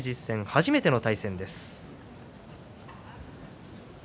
初めての対戦です。